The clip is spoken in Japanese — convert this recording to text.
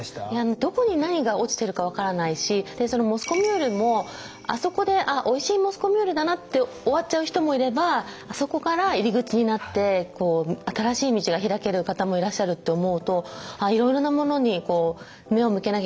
どこに何が落ちてるか分からないしそのモスコミュールもあそこでおいしいモスコミュールだなで終わっちゃう人もいればあそこから入り口になって新しい道が開ける方もいらっしゃるって思うといろいろなものに目を向けなきゃいけないなと。